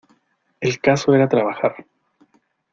El caso era trabajar.